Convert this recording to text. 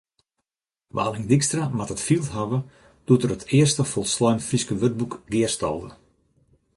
Waling Dykstra moat it field hawwe doe’t er it earste folslein Fryske wurdboek gearstalde.